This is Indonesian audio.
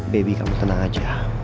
baby kamu tenang aja